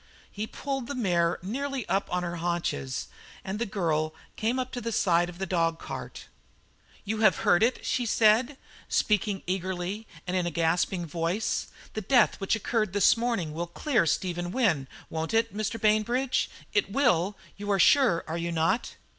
He pulled the mare nearly up on her haunches, and the girl came up to the side of the dog cart. "You have heard it?" she said, speaking eagerly and in a gasping voice. "The death which occurred this morning will clear Stephen Wynne, won't it, Mr. Bainbridge? it will, you are sure, are you not?"